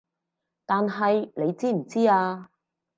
但係你知唔知啊